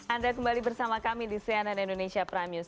anda kembali bersama kami di cnn indonesia prime news